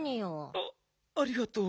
あありがとう。